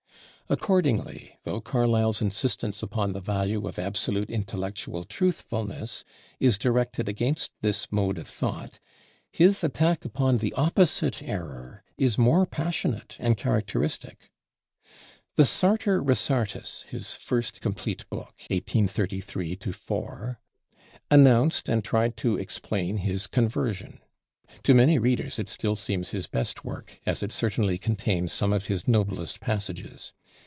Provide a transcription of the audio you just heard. Accordingly, though Carlyle's insistence upon the value of absolute intellectual truthfulness is directed against this mode of thought, his attack upon the opposite error is more passionate and characteristic. The 'Sartor Resartus,' his first complete book (1833 4), announced and tried to explain his "conversion." To many readers it still seems his best work, as it certainly contains some of his noblest passages.